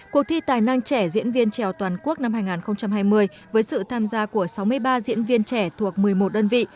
cuộc thi tài năng trẻ diễn viên trèo toàn quốc năm hai nghìn hai mươi với sự tham gia của sáu mươi ba diễn viên trẻ thuộc một mươi một đơn vị